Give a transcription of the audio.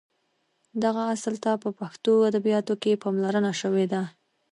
دغه اصل ته په پښتو ادبیاتو کې پاملرنه شوې ده.